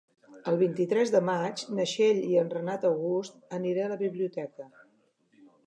El vint-i-tres de maig na Txell i en Renat August aniré a la biblioteca.